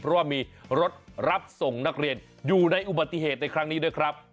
เพราะว่ามีรถรับส่งนักเรียนอยู่ในอุบัติเหตุในครั้งนี้ด้วยครับ